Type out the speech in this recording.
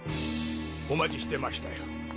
お待ちしてましたよ。